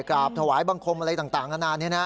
กราบถวายบังคมอะไรต่างนานานี้นะ